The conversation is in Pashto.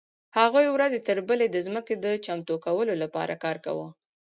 هغوی ورځ تر بلې د ځمکې د چمتو کولو لپاره کار کاوه.